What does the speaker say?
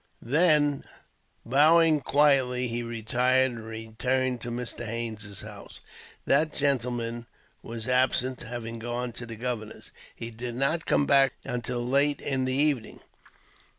Then, bowing quietly, he retired; and returned to Mr. Haines' house. That gentleman was absent, having gone to the governor's. He did not come back until late in the evening.